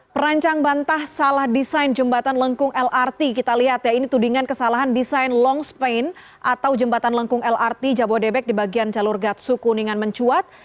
perancang bantah salah desain jembatan lengkung lrt kita lihat ya ini tudingan kesalahan desain long spaint atau jembatan lengkung lrt jabodebek di bagian jalur gatsu kuningan mencuat